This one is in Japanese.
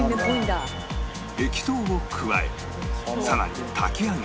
液糖を加えさらに炊き上げ